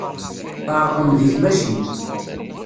Tɛerqem deg tmacint.